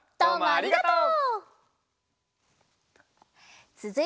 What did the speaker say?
ありがとう！